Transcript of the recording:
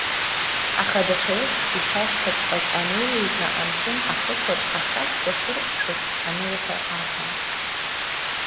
Аха даҽа уск ишашьҭаҵәҟьаз анеиликаа, амшын ахықәаҿ ахаҳәқәа шырҟәшәоз анылҳәа акәын.